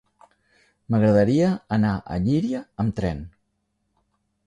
M'agradaria anar a Llíria amb tren.